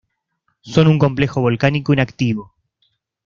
Son un complejo volcánico inactivo.